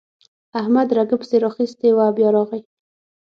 احمد رګه پسې راخيستې وه؛ بيا راغی.